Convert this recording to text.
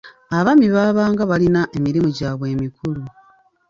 Abaami baabanga balina emirimu gyabwe emikulu.